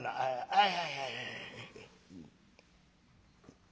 はいはいはい」。